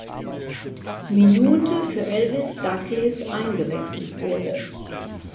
Minute für Elvis Stuglis eingewechselt wurde.